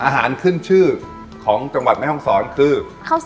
อาหารขึ้นชื่อของจังหวัดแม่ฮองศรคือ